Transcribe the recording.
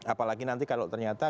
apalagi nanti kalau ternyata